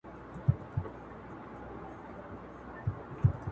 په انتظار د بل سپرلي پاتې دي